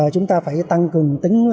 chúng ta phải tăng cường tính